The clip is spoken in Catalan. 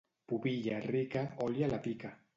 Pubilla rica, oli a la pica.